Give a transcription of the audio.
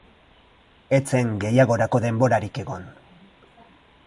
Ez zen gehiagorako denborarik egon.